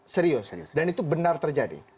serius serius dan itu benar terjadi